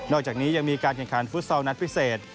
อกจากนี้ยังมีการแข่งขันฟุตซอลนัดพิเศษ